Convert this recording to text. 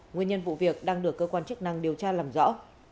nguyên nhân vụ việc đang được cơ quan chức năng điều tra làm rõ